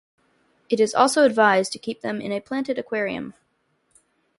It is also advised to keep them in a planted aquarium.